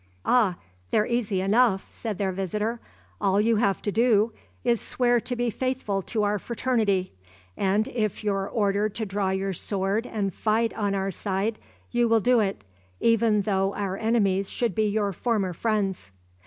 "Ah, they're easy enough!" said their visitor. "All you have to do, is to swear to be faithful to our fraternity, and if you're ordered to draw your sword and fight on our side, you will do it, even though our enemies should be your former friends."